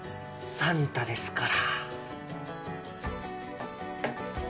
サンタですから。